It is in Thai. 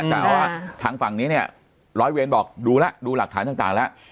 แต่ว่าทางฝั่งนี้เนี่ยร้อยเวรบอกดูแล้วดูหลักฐานต่างแล้ว